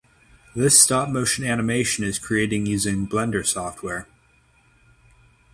This stop motion animation is created using Blender software.